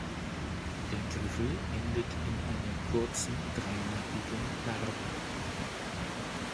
Der Griffel endet in einer kurzen dreilappigen Narbe.